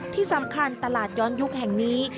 ที่สำคัญตลาดย้อนยุคแห่งนี้